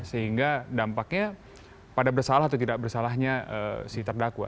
sehingga dampaknya pada bersalah atau tidak bersalahnya si terdakwa